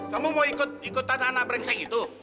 kamu mau ikut ikut tanah tanah berengsek itu